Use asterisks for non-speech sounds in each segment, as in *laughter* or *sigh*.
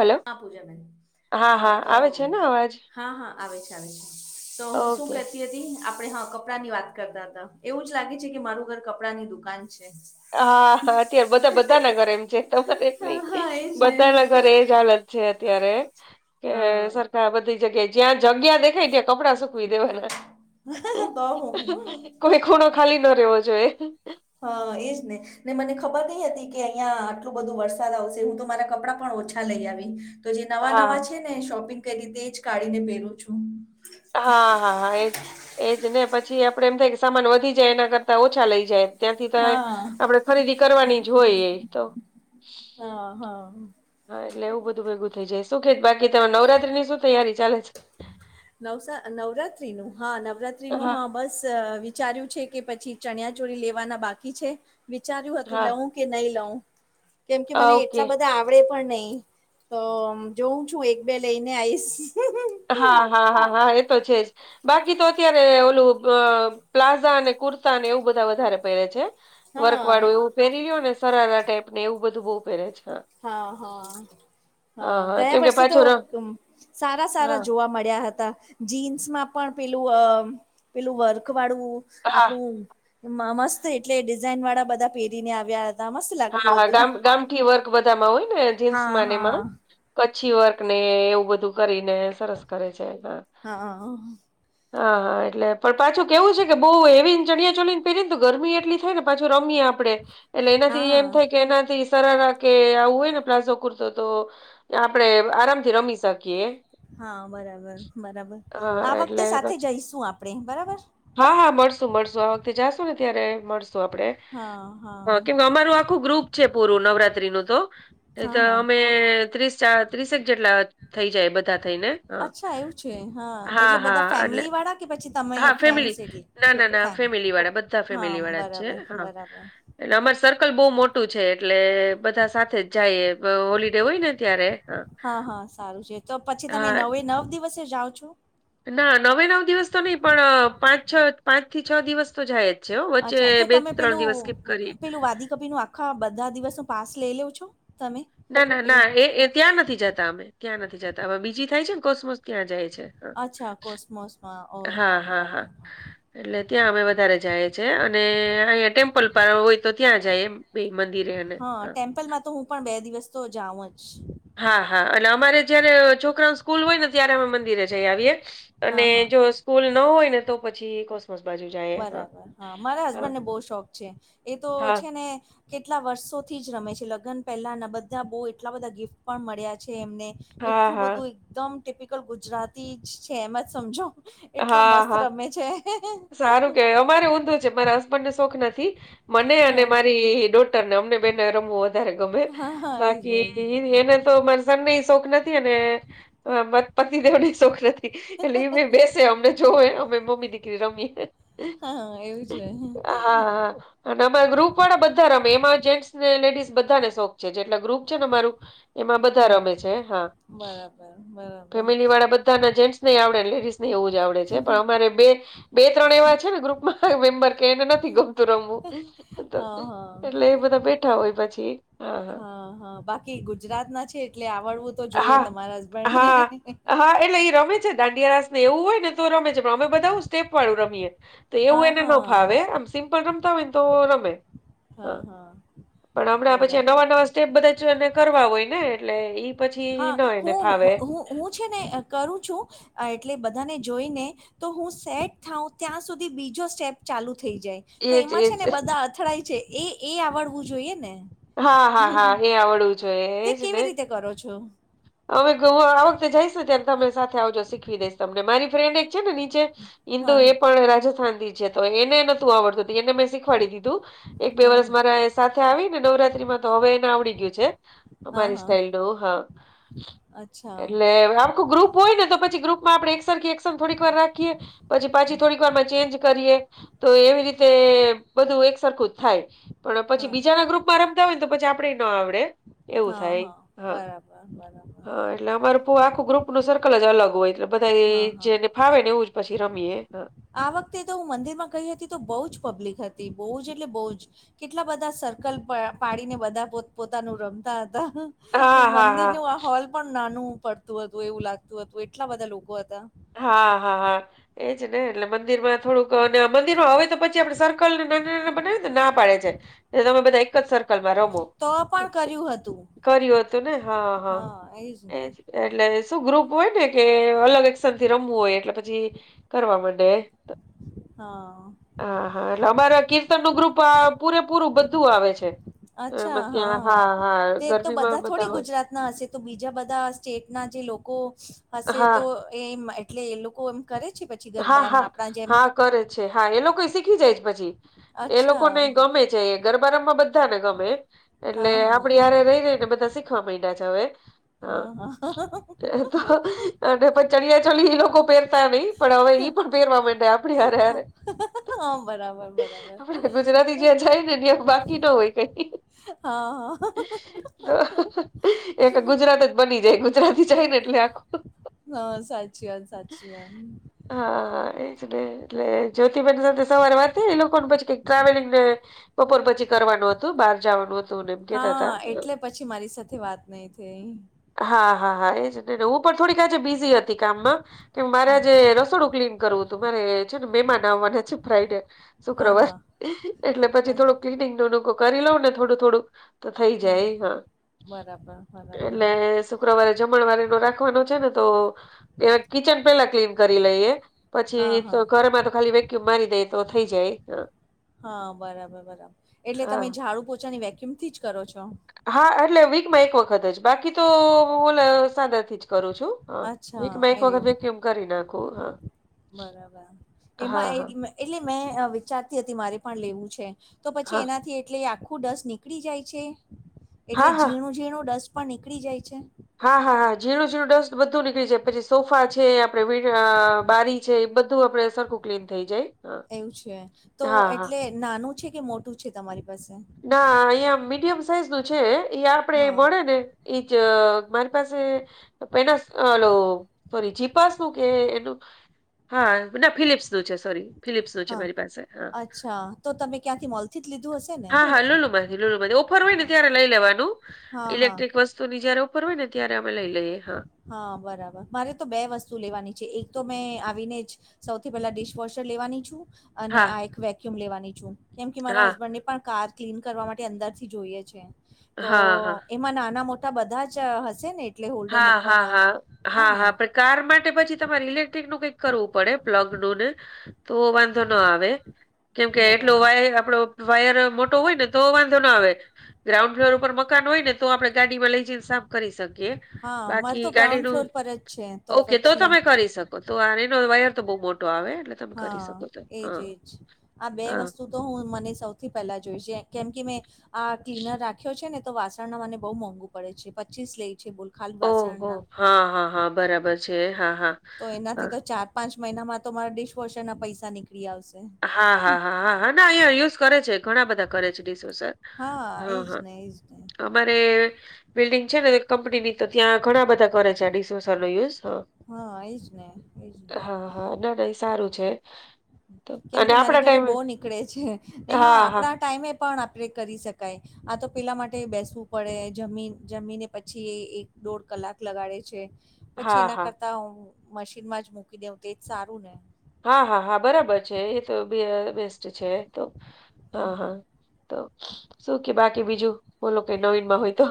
Hello હ પૂજા મે હા તો આવે છે ને અવાજ હા હા આવે છે આવે છે તો હું શું ઓકે કે આપે હા કપડા ની વાત કરતા હતા એવું જ લાગે છે કે મારું ઘર કપડા ની દુકાન છે હા હા અત્યારે બધા બધાના ઘરે એમ છે તમારે હા નહી હા એજ ને બધા ના ઘરે એ જ હાલત છે અત્યારે કે હા સરકાર બધી જગ્યા જ્યાં જગ્યા દેખાય ત્યાં કપડા સુકવી દેવાને હ તો હ કોઈ ખૂણો ખાલી ન રહેેવો જોઈએ હા એજ ને ને મને ખબર નઈ હતી કે અહિયાં આટલું બધું વરસાદ આવશે હું તો મારા કપડાં પણ ઓછા લઈ આવી તો જે નવા હા નવા છે ને શોપિંગ કરી તે જ કાઢીને પહેરું છું હા હા હા એજ એજ ને પછી આપડે એમ થાય કે સામાન વધી જાય એના કરતાં ઓછા લઇ જાય ત્યાંથી તો હા આપડે ખરીદી કરવાની જ હોય એ તો હા હા હા એટલે એવું બધું ભેગું થઈ જાય શું કે બાકી તમે નવરાત્રી ની શું તૈયારી ચાલે છે નવ નવરાત્રી નું હા નવરાત્રી નું હા બસ વિચાર્યું છે કે પછી ચણ્યા ચોરી લેવાના બાકી છે વિચાર્યું હતું હા લવું કે નહી લઉ કેમ કે આ મને ઓકે એટલા બધા આવડે પણ નહી તો જોઉં છું એક બે લઈને આઈશ હા હા હા હા એ તો છે જ બાકી તો અત્યારે ઓલું પ્લા ા કુર્તા ને એવું બધા વધારે પહેરે છે વર્ક હા વાળું એવું પહેરી્યો ને સરરાારા ટાઈપ ને એવું બધું બઉુ પહેરે છે હા હા હા ગયા કેમ કે વર્ષે પાછો તો ર સારા હા સારા જોવા મળ્યા હતા. જીન્સ માં પણ પેલું અ પેલું વર્ક વાળું હા આપણું મ મસ્ત એટલે ડિઝાઇન વાળા બધા પહેરીને આવ્યા હતા મસ્ત હા લાગતું હા હતું ગામ ગામઠી વર્ક બધામાં હોય ને હા જીન્સમાંને એમાં. હા કચ્છી વર્ક ને એવું બધું કરીને સરસ કરે છે હા. હા હા હા એટલે પણ પાછું કેવું છે કે બહુ એવી ચણિયા ચોલી પેને તો ગરમી એટલી થાય ને પાછું રમીએ આપડે એટલે એનાથી એમ હા થાય કે કેનાથી સરળા કે આવું હોય ને પ્લાઝો કુર્તો તો આપડણે આરામથી રમી શકીએ હા બરાબર બરાબર હા આ એટલે વખતે સાથે પછી જઈશું આપણેે બરાબર હા હા મળશું મળશું આ વખતે જાશો ને ત્યારે મળશું આપડણે હા હા અમારું આખું ગ્રુપ છે પૂરું નવરાત્રી નું તો એત હા હા અમે ત્રીસ ચાર ત્રીસેક જેટલા થઈ જાય બધા થઈને. હા અચ્છા એવું છે હા એટલે હા બધા એટલે ફેમિલી વાળા કે પછી તમે હા ફેમિલી ફ્રેન્ડસ એટલે ના ના ના ફેમ ફેમિલી વાળા બધા હા ફેમિલી વાળા છે બરાબર હા. બરાબર એટલે અમાર સર્કલ બહુ મોટું છે એટલે બધા સાથે જ જાઈએ. હા હોલિડે હોય ને ત્યારે હા. હા હા સારું છે તો પછી તમે હા નવે નવ દિવસે જાઓ છો. ના નવે નવ દિવસ તો નહી પણ પાંચ છ પાંચ થી છ દિવસ તો જાય જ. છે હો વચ્ચે અચ્છા તો બે તમે ત્રણ પેલું દિવસ સ્કીપ કરી પેલું વાદી કપી નું આ હા બધા દિવસનો પાસ લેઈ લેઉ છું તમે. ના ના પેલું ના એ એ ત્યાં નથી જતા અમે ત્યાં નથી જતા હવે બીજી થાય છે ને કોસમોસ ત્યાં જાય છે. છે હા. મોસમાં ઓહો બરાબર હા. એટલે ત્યાં અમે વધારે જાઈએ છીએ અને અહીંયા ટેમ્પલ પર હોય તો ત્યાં જાય એમ. બે મંદિરે એને હા ટેમ્પલમાં તો હું પણ બે દિવસ તો જાઉં જ છ હા હા અને અમારે જયારે છોકરાઓન સ્કૂલ હોય ને ત્યારે અમે મંદિરે જઈ આવીએ. હા અને હા જો સ્કૂલ ન હોય ને તો પછી કોસમોસ બાજુ જાય. બરાબર હા મારા હસબન્ડને બહું શોખ છે એ તો હા છે ને કેટલા વર્ષોથી જ રમે છે લગન પહેલાના બધા બહુ એટલા બધા ગિફ્ટ પણ મળ્યા છે એમને. હા એટલું હા બધું એકદમ ટિપિકલ ગુજરાતી જ છે એમ જ સમજો. એટલા હા. મસ્ત હા રમે છે હેહે. સારું કેવાય અમારે ઊંધું છે મારા હસબન્ડને શોખ નથી મને અને હા મારી ડોટ તન અમને બેને રમવું વધારે ગમે હા હા એજ ને બાકી એજ ને એને તો માર સનનેય શોખ નથી અને માર પતિદેવ નેય શોખ નથી. એટલે એ મે બેસે અમને જોવે અમે મમ્મી દીકરી રમીએને. હા એવું છે. અને અમાર ગ્રુપ વાળા બધા રમે એમાં જેન્ટસ ને લેડીસ બધાને શોખ છે જે એટલે ગ્રુપ છે ને મારું એમાં બધા હા, રમે છે હા બરાબર બરાબર ફેમિલી વાળા બધા ના જેન્ટ્સ નહ આવડે લેડીસ એવું જ આવડે છે પણ અમારે બે બે ત્રણ એવા છે ને ગ્રુપમાં મેમ્બર કે એને નથી ગમતું રમવું. તો હા હા. એટલે એ બધા બેઠા હોય પછી. હા હા બાકી ગુજરાત ના છે એટલે આવડવું તો જોઈએ હા તમારા હસબન્ડને. હા હા એટલે ઈ રમે છેન દાંડિયા રાસ ને એવું હોય ને તો રમે છે પણ અમે બધા હું સ્ટેપ વાળું રમીએ તો એવું હા, એને ન હા. ફાવે એમ. સિમ્પલ રમતા હોય ન તો રમે હ હા, હા. પણ હમણાં પછી બરાબર. નવા નવા સ્ટેપ બધા એને કરવા હોય ને એટલે ઈ પછી ન હા એને હું ફાવે. હું છે ને કરું છું અ એટલે બધાને જોઈને તો હું સેટ થાઉ ત્યાં સુધી બીજો સ્ટેપ ચાલુ થઈ જાય. તો એજ એમાં એજ છે ને બધા અથડાય છે એ એ આવડવું જોઈએ ને. હા હા હા એ આવડવું જોઈએ તે એજ ને. કેવી રીતે કરો છો? હવે આ વખતે જઈશ ને ત્યારે તમે સાથે આવજો શીખવી દઈશ તમને મારી ફ્રેન્ડ એક છે ને. છે ઇન્દો હા, એ હા. પણ રાજસ્થાનથી છે તો એ તે નતુ આવડતું તે એને મેં શીખવાડી દીધું એક બે હા, વર્ષ હા. મારા એ સાથે આવી ને નવરાત્રીમાં તો હવે એને આવડી ગયું છે હા, અમારી હા. સ્ટાઈલ નું હા. અચ્છા. એટલે આખુ ગ્રુપ હોય ને તો પછી ગ્રુપમાં આપડે એકસ એકસ થોડીક વાર રાખીએ પછી પાછી થોડીક વાર માં ચેન્જ કરીએ. તો એવી રીતે બધું એક સરખું જ થાય. પણ પછી હા. બીજાના ગ્રુપમાં રમતા હોય ને તો પછી આપણેે ન આવડે એવું હા, થાય હા. બરાબર, બરાબર. હા એટલે અમાર પ આખું ગ્રુપ નું સર્કલ જ અલગ હોય એટલે બધા એ હા, હા. જેને. ફાવે ને એવું જ પછી રમીએ. આ વખતે તો હું મંદિરમાં ગઈ હતી તો બહુ જ પબ્લિક હતી બહુ જ એટલે બહુ જ. કેટલા બધા સર્કલ પા પાડીને બધા પો પોતાનું રમતા હતા. હા હા મંદિરનું આ હોલ પણ નાનું પડતું હતું એવું લાગતું હતું એટલા બધા લોકો હતા. હા હા હા એજ ને એટલે મંદિરમાં. થોડુંક અને આ મંદિરમાં હવે તો પછી આપણે સર્કલ ને નાના નાના બનાવી. ના પાડે છે તમે બધા એક જ સર. સર્કલમાં રમો તો પણ કર્યું હતું કર્યું હતું ને હા હા એજ. એટલે શું ગ્રુપ હોય ને કે અલગ. થી રમવું હોય એટલે પછી કરવા મડે. હા. હા હા એટલે અમારે કીર્તન નું ગ્રુપ પૂરેપૂરું બધું આવે છે. અચ્છા એમાં ત્યાં હા હા તે તો ગરબીમાં બધા થોડી હોય ગુજરાત. ના હશે તો બીજા બધા સ્ટેટ ના જે લોકો હશે હા તો. એમ એટલે એ લોકો એમ કરે છે પછી હા ગરબામ હા આપણા જેમ. હા કરે છે હા એ લોકો શીખી જાય છે પછી. એ અચ્છા લોકોને ગમે છે એ ગરબા રામાવા બધાને ગમે. એટલે હા આપડે હા હારે રહી રહી ને બધા શીખવા મંડ્યા છે હવે. હા એ તો. અને પણ ચળિયા ચોલી એ લોકો પહેરતા નહિ પણ હવે ઈ પણ પહેરવા મંડ્યા. આપણે હારે હારે હા બરાબર બરાબર આપડે ગુજરાતી જ્યાં જાય ને ત્યાં બાકી ન હોય. હા હા તો એક ગુજરાત. બની જાય ગુજરાતી જાય ને એટલે આખો. હા સાચી વાત સાચી વાત. હા એજ ને એટલે જ્યોતિબહેન સાથે સવારે વાત એ લોકોને પછી કઈ ટ્રાવેલિંગ ને. બપોર પછી કરવાનું હતું બહાર જવાનું હતું. ને એમ કેતા હા હતા. એટલે પછી મારી સાથે વાત નહી થઈ. હા હા હા એજ નેને હું પણ થોડીક બીઝી હતી કામમાં કે મારે. હમ, ને રસોડું ક્લીન કરવું હતું મારે છે ને મહેમાન આવવાના છે ફ્રાઇડે. હા શુક્રવાર હા એટલે પછી અચ્છા, થોડું ક્લીનિંગ નન કરી લઉ ને થોડું થોડું. તો થઈ જાય હા. પણરાબ એટલે *inaudible* શુક્રવારે જમણવારે એનો રાખવાનો છે ને તો એ કિચન પેલા ક્લીન કરી લઈએ. પછી હા તો હા ઘરમાં તો ખાલી વેક્યુમ મારી દે તો થઈ જાય. હા બરાબર બરાબર એટલે હા તમે ઝાડુ પોચાની વેક્યુમ થી જ કરો છો. હા એટલે વીકમાં એક વખત જ બાકી તો ઓલ સાદાથી જ. કરું છું હ અચ્છા વીક એક વખત એવું વેકયુમ કરી નાખું હા. બરાબર એમાં એ હા એટલે મેં વિચારતી હતી મારે પણ લેવું છે. તો પછી હા એનાથી એટલે આખું ડસ્ટ નીકળી જાય છે એટલે હા હા હા ઝીણું ઝીણું ડસ્ટ પણ નીકળી જાય છે. હા હા હા ઝીણુંઝીણું ડસ્ટ બધુ નીકળી જાય. પછી સોફા છે આપડે બારી છે એ બધું આપડે સરખું ક્લીન થઈ જાય. એવું છે તો હા હા એટલે નાનું છે, કે મોટું છે તમારી પાસે? ના અહિયાં મીડિયમ સાઈઝ નું છે એ આપણેે હા મળે ને. એજ મારી પાસે પેલો ઓલુ સોરી ચીપ પાસનું કે એનું હા મતલબ ફિલિપ્સ નું છે સોરી ફિલિપ્સ નું છે હા મારી પાસે હા. અચ્છા તો તમે ક્યાંથી મોલ થી જ લીધું હશે. ને હા હા લુલુ માથી લુલુ માથી ઓફર હોય ને હા ત્યારે લઈ લેવાનું હા હા ઇલેક્ટ્રિક વસ્ તું ની જયારે ઉપર હોય ને ત્યારે અમે લઈ લઈએ હા. હા બરાબર મારે તો બે વસ્તુ લેવાની છે, એક તો મેં આવીને જ સૌથી પેલા ડિશવોશર લેવાની છું. અને હા આ એક વેક્યુમ લેવાની છું, કેમ કે મારા હા હસબન્ડને પણ કાર ક્લીન કરવા માટે અંદર થી જોઈએ છે, તો હા હા એમાં નાના મો ટા બધા જ હશે ને એટલે હોલ્ડર હા હા મૂકવાના હા હા હા. કાર માટે પછી તમારે ઇલેક્ટ્રિક નું કઈક કરવું પડે પ્લગ નું ને તો વાંધો ન આવે કેમકે એટલો બરાબર વાયર આપડો વાયર મોટો હોય ને તો વાંધો ના આવે ગ્રાઉન્ડ ફ્લોર ઉપર મકાન હોય ને તો આપડે ગાડી માં લઈ જઈને સાફ કરી શકીએ. હા મારે બાકી તો ગ્રાઉન્ડ ગાડીનું ફ્લોર પર જ છે ઓકે તો પછી તમે ક કરી શકો તો આ એનો વાયર તો બહુ મોટો આવે એટલે. તમે કરી હા શકો તો એજ હા. એજ આ બે હા વસ્તુ તો હું મને સૌથી પહેલા જોઈશ કેમ કે મેં આ ક્લીનર રાખ્યો છે ને તો વાસ ણ નો મને બહુ મોંઘુ પડે છે, પચીસ લઈ છે, બોલ ખાલી વાસણ ઓહો ના હા હા હા બરાબર છે હા હા. તો એનાથી હા તો ચાર પાંચ મહિના માં તો મારા ડિશ વોસર ના પૈસા નીક ળી આવશે. હા હા હા હા હા ના અહીંયા યુઝ કરે છે, ઘણા બધા કરે છે, ડીસ વોસર. હા એજ ને એજ ને અમારે બિલ્ડિંગ છે, ને કંપનીની તો ત્યાં ઘણા બધા કરે છે, આ ડીસવોશર નો યુઝ. હા એજ ને એજ ને હા હા ના ના એ સારું છે. તો કેમ અને કે મારી આપણા ઘરે ટાઈમે બહુ નીકળે છે, ને હા આપણા ટાઈમે પણ આપણે કરી શકાય. આ તો પેલા માટે બેસવું પડે જમીન જમીને પછી એ એક દોઢ કલાક લગાડે છે. હા પછી એના હા કરતા હ મશીન માં જ મૂકી દેઉં તો એજ સારું ને. હા હા હા બરાબર છે, એ તો બેસ્ટ છે તો હા હમ. હા તો શું કે બાકી બીજું બોલો કઈ નવીન માં હોય તો?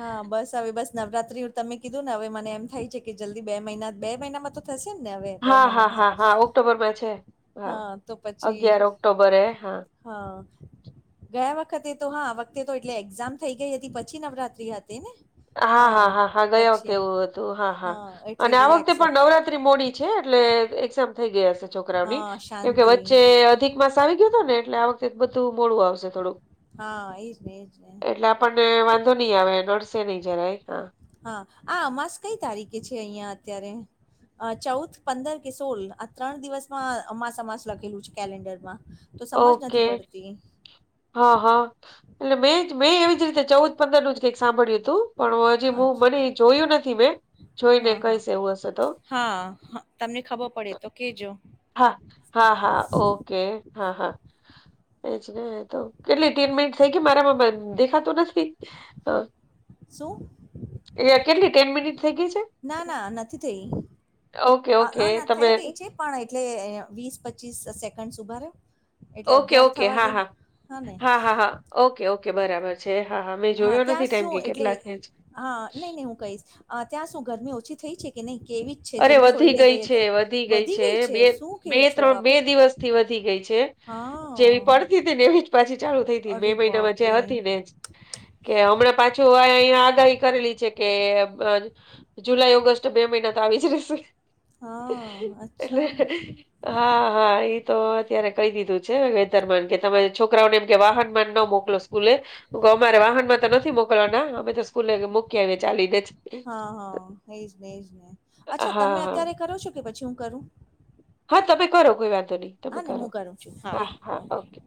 હા બસ હવે બસ નવરાત્રી તમે કીધું ને હવે મને એમ થાય છે કે જલ્દી બે મહિના બે મહિનામાં તો થશે ને હવે બે હા હા મહિનામાં હ હા હા ઓક્ટોબરમાં છે હા અગિયાર ઓક્ટોબરે હા હા. ગયા વખતે તો હા વખતે તો એટલે એક્ઝામ થઈ ગઈ હતી પછી નવરાત્રી હતી ને? હા હા હા હા ગયા વખતે એવું હતું હા હા એટલે અને આ વખતે રિલેક્સ પણ હતું. નવરા મોડી છે, એટલે એઝામ થઈ ગયા છોકરાઓની હા કેમ કે શાંતિ વચ્ચે અધિક માસ આવી ગયો હતો ને એટલે આ વખતે બધું મોડું આવશે થોડુંક. હા એજ ને એજ ને- એટલે આપણને વાંધો નઈ આવે નડસે નહી જરા હા. હા આ અમાસ કઈ તારીખે છે, અહિયાં અત્યારે? ચૌદ પંદર કે સોળ આ ત્રણ દિવસમાં અમાસ આમાંસ લખેલું છે કેલેન્ડરમાં. તો સમજ ઓકે. નથી પડતી હા હા એટલે મેં મેં એવી જ રીતે ચૌદ પંદર નું જ કઈક સાંભળ્યું હતું. પણ હું હજી હું અચ્છા. મને જોયું નથી મેં જોઈને હા હા કઈસ એવું હશે તો હા તમને ખબર પડે તો કેજો હા હા હા ઓકે હા હા એજ ન તો કેટલી તીન મિનિટ થઈ કે મારામાં દેખાતું નથી શું એ કેટલી ટેન મિનિટ થઈ ગઈ છે *inaudible* ના ના નથી થઈ. ઓકે હ અ ઓકે ના થઈ તમે ગઈ છે પણ એટલે વીસ પચીસ સેકન્ડ ઉભા રહો. ઓકે ઓકે હા હા હા હા હા ઓકે ઓકે બરાબર છે હા હા મે હા ત્યાં શું એટલે હા નહી નહી હું કહીશ ત્યાં શું ગરમી ઓછી થઈ છે. કે નહી કેવી જ છે અરે જેવી વધી છોડીને ગઈ છે વધી ગઈ છે બે શું બે કેવું છું ત્રણ બે બાપરે દિવસથી વધી ગઈ છે જેવી હા પડતી ને એવી પાછી ચાલુ થઈ મે અરે મહિનામાં જે બાપરે હતી ને કે હમણાં પાછો આ એ ત્યાં આગાહી કરેલી છે કે જુલાઈ ઓગસ્ટ બે મહિના આવી જ રહેશે હા એટલે અચ્છા હા હા એતો અત્યારે કઈ દીધું છે વેધર માન કે તમે છોકરાઓને એમ કે વાહન માં ન મોકલો સ્કૂલે અમારે વાહન માં તો નથી મોકલવાના અમે તો સ્કૂલે મૂકી આવીએ ચાલી ને જ હા હા એજ ને એજ ને હા અચ્છા તમે હા અત્યારે કરો છો કે પછી હું કરું. હા તમે કરો કોઈ વાંધો નહી તમે હા ને કરો હું કરું છું હા હા ઓકે.